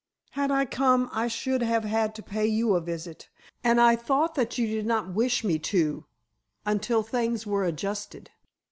"Had I come, I should have had to pay you a visit, and I thought that you did not wish me to, until things were adjusted."